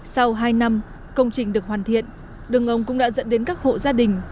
sau hai năm công trình được hoàn thiện đường ống cũng đã dẫn đến các hộ gia đình